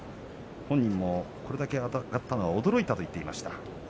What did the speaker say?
本人もこれだけ上がったのは驚いたと言っていました。